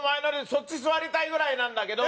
そっち座りたいぐらいなんだけど。